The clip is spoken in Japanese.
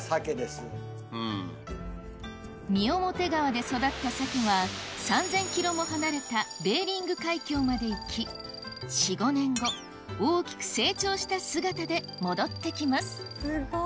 三面川で育った鮭は３０００ｋｍも離れたベーリング海峡まで行き４５年後大きく成長した姿で戻ってきます